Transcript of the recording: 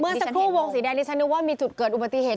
สักครู่วงสีแดงที่ฉันนึกว่ามีจุดเกิดอุบัติเหตุ